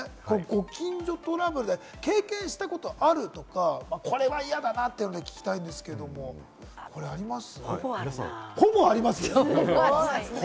火曜メンバーの皆さんでご近所トラブルで経験したことあるとか、これは嫌だなってのを聞きたいんですけど、あります？